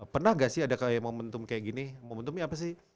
pernah gak sih ada kayak momentum kayak gini momentumnya apa sih